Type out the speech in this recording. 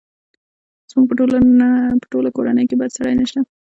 زموږ په ټوله کورنۍ کې بد سړی نه شته!